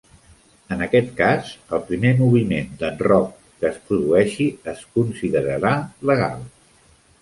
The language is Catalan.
En aquest cas, el primer moviment d'enroc que es produeixi es considerarà legal.